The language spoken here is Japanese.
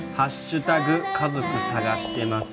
家族探してます」